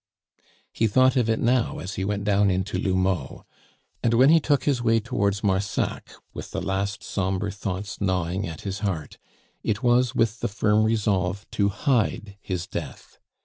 He thought of it now as he went down into L'Houmeau; and when he took his way towards Marsac, with the last sombre thoughts gnawing at his heart, it was with the firm resolve to hide his death.